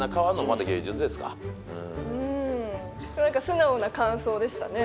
素直な感想でしたね。